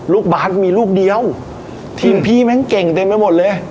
ลูกบานมีลูกเดียวทีมพี่แม่งเก่งใจไม่หมดเลย